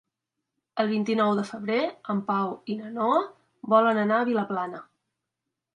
El vint-i-nou de febrer en Pau i na Noa volen anar a Vilaplana.